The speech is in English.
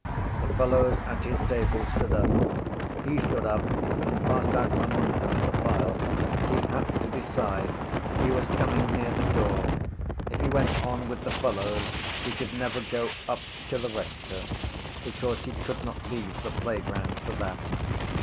The fellows at his table stood up. He stood up and passed out among them in the file. He had to decide. He was coming near the door. If he went on with the fellows he could never go up to the rector because he could not leave the playground for that.